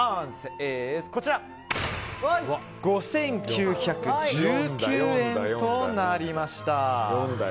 ５９１９円となりました。